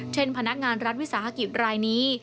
เช่นพนักงานรัฐวิษาภาคิดรายนี้